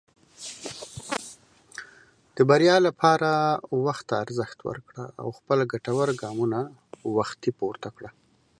د بریا لپاره وخت ته ارزښت ورکړه، او خپل ګټور ګامونه وختي پورته کړه.